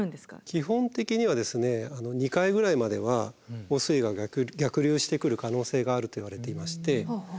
基本的には２階ぐらいまでは汚水が逆流してくる可能性があるといわれていまして